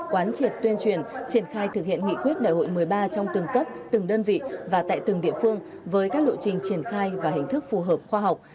quán triệt tuyên truyền triển khai thực hiện nghị quyết đại hội một mươi ba trong từng cấp từng đơn vị và tại từng địa phương với các lộ trình triển khai và hình thức phù hợp khoa học